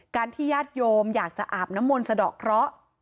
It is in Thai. ที่ญาติโยมอยากจะอาบน้ำมนต์สะดอกเคราะห์